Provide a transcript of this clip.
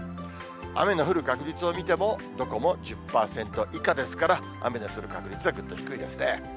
雨の降る確率を見ても、どこも１０％以下ですから、雨の降る確率はぐっと低いですね。